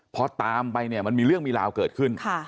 พอตามไปเนี่ยมันมีเรื่องมีราวเกิดขึ้น